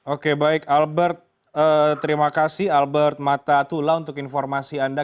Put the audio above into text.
oke baik albert terima kasih albert matatula untuk informasi anda